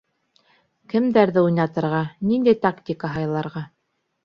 Кемдәрҙе уйнатырға, ниндәй тактика һайларға?